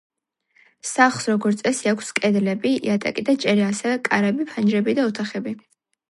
სახლს როგორც წესი აქვს კედლები, იატაკი და ჭერი, ასევე კარები, ფანჯრები და ოთახები.